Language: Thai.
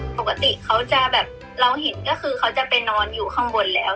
สิ่งที่เราเห็นก็คือเค้าจะไปนอนอยู่ข้างบนแล้ว